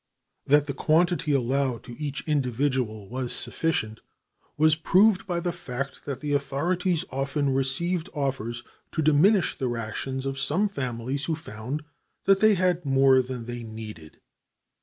That the quantity allowed to each individual was sufficient was proved by the fact that the authorities often received offers to diminish the rations of some families who found they had more than they needed.